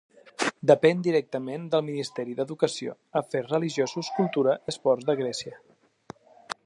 Depèn directament del Ministeri d'Educació, Afers Religiosos, Cultura i Esports de Grècia.